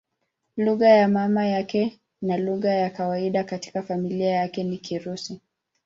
Lugha ya mama yake na lugha ya kawaida katika familia yake ni Kirusi.